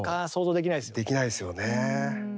できないですよね。